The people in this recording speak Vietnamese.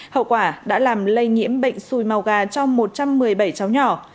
hậu quả đã làm lây nhiễm bệnh xùi màu gà cho một trăm một mươi bảy cháu nhỏ